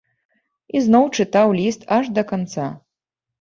І зноў чытаў ліст аж да канца.